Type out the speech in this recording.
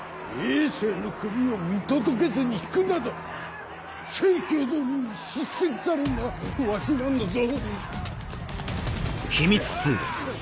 政の首を見届けずに引くなど成殿に叱責されるのはわしなんだぞ！